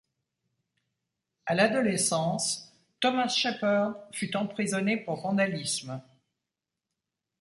À l’adolescence, Thomas Shepherd fut emprisonné pour vandalisme.